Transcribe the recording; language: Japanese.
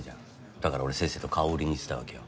だから俺せっせと顔売りにいってたわけよ。